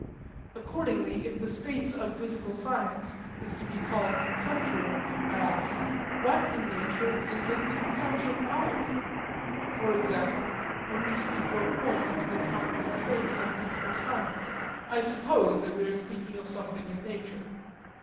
Accordingly if the space of physical science is to be called conceptual, I ask, What in nature is it the conception of? For example, when we speak of a point in the timeless space of physical science, I suppose that we are speaking of something in nature.